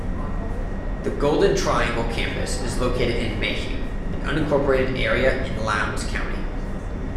The Golden Triangle Campus is located in Mayhew, an unincorporated area in Lowndes County.